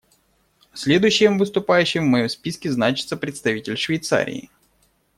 Следующим выступающим в моем списке значится представитель Швейцарии.